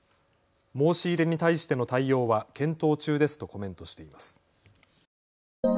申し入れに対しての対応は検討中ですとコメントしています。